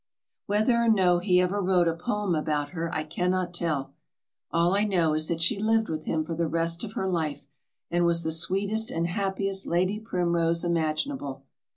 Whether or no he ever wrote a poem about her I can not tell. All I know is that she lived with him for the rest of her life, and was the sweetest and happiest Lady Primrose imaginable.